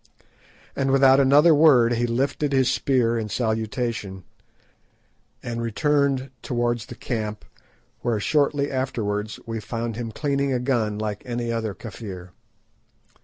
And without another word he lifted his spear in salutation, and returned towards the camp, where shortly afterwards we found him cleaning a gun like any other Kafir.